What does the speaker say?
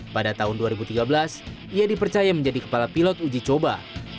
pada tahun dua ribu tiga belas ia dipercaya menjadi kepala pilot uji coba